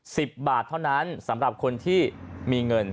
สิบบาทเท่านั้นสำหรับคนที่มีเงิน